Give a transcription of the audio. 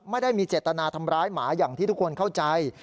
ไม่ได้มีเจตนาทำร้ายหมาอย่างที่ทุกคนเข้าใจ